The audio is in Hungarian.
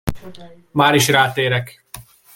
Máris rátérek!